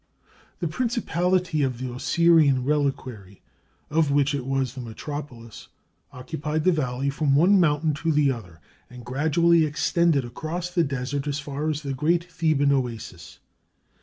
The principality of the Osirian Reliquary, of which it was the metropolis, occupied the valley from one mountain to the other, and gradually extended across the desert as far as the Great Theban Oasis.